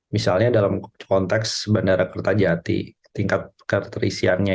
misalnya dalam konteks bandara kertajati tingkat keterisiannya